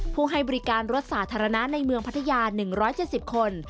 ให้บริการรถสาธารณะในเมืองพัทยา๑๗๐คน